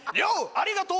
ありがとう